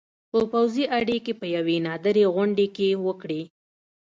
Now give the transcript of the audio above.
په پوځي اډې کې په یوې نادرې غونډې کې وکړې